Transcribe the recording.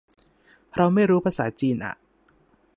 เราไม่รู้ภาษาจีนอ่ะ